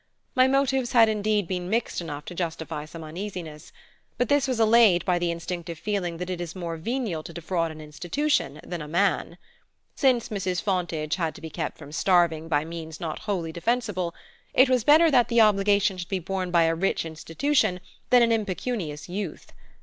My motives had indeed been mixed enough to justify some uneasiness, but this was allayed by the instinctive feeling that it is more venial to defraud an institution than a man. Since Mrs. Fontage had to be kept from starving by means not wholly defensible, it was better that the obligation should be borne by a rich institution than an impecunious youth.